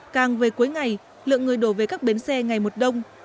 càng về cuối ngày lượng người đổ về các bến xe ngày một đông